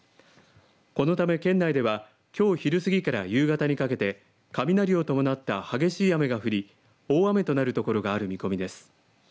このため、県内ではきょう昼過ぎから夕方にかけて雷を伴った激しい雨が降り大雨となるところがある見込みです。